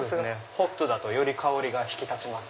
ホットだと香りが引き立ちます。